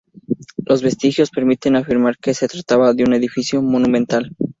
Los vestigios permiten afirmar que se trataba de un edificio monumental.